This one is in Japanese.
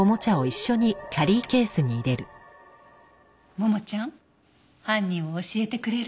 ももちゃん犯人を教えてくれる？